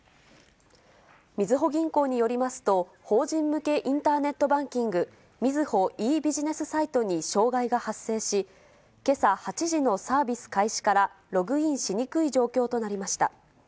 みずほ銀行によりますと、法人向けインターネットバンキング、みずほｅービジネスサイトに障害が発生し、けさ８時のサービス開始からログインしにくい状況となりました。